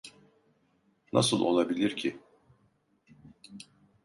Nasıl olabilir ki?